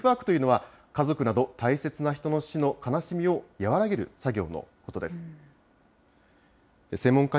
このグリーフワークというのは、家族など大切な人の死の悲しみを和らげる作業のことです。